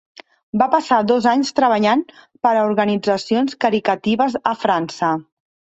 Va passar dos anys treballant per a organitzacions caritatives a França.